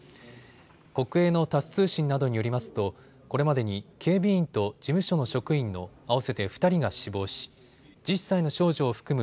国営のタス通信などによりますとこれまでに警備員と事務所の職員の合わせて２人が死亡し１０歳の少女を含む